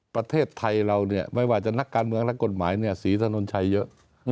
ประเทศไทยเราไม่ว่าจะนักการเมืองนักกฎหมายศรีถนนชัยเยอะ